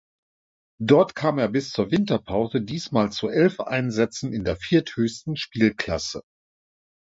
Dort kam er bis zur Winterpause diesmal zu elf Einsätzen in der vierthöchsten Spielklasse.